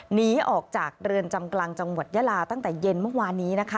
หนีออกจากเรือนจำกลางจังหวัดยาลาตั้งแต่เย็นเมื่อวานนี้นะคะ